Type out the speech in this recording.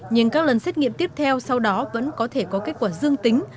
nhưng các lần xét nghiệm tiếp theo sau đó vẫn có thể có kết quả dương tính